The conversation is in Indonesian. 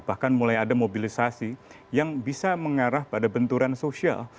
bahkan mulai ada mobilisasi yang bisa mengarah pada benturan sosial